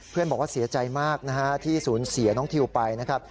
เพื่อนบอกว่าเสียใจมากที่ศูนย์เสียน้องทิวไปนะครับ